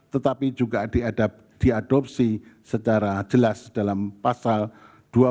tetapi juga diadopsi secara jelas dalam perusahaan